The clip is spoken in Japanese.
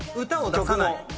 歌を出さない。